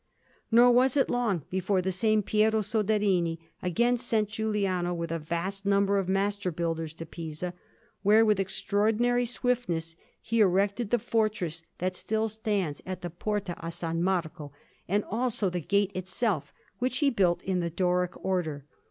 Nor was it long before the same Piero Soderini again sent Giuliano, with a vast number of master builders, to Pisa, where with extraordinary swiftness he erected the fortress that still stands at the Porta a S. Marco, and also the gate itself, which he built in the Doric Order.